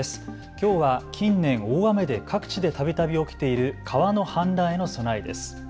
きょうは近年、大雨で各地でたびたび起きている川の氾濫への備えです。